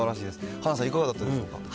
はなさん、いかがだったでしょうか。